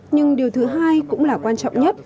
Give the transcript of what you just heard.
nhưng điều thứ hai cũng là quan trọng nhất